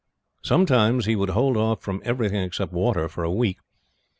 Sometimes he would hold off from everything except water for a week.